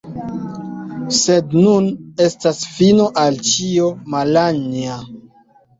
sed nun estas fino al ĉio, Malanja.